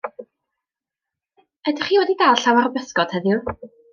Ydych chi wedi dal llawer o bysgod heddiw?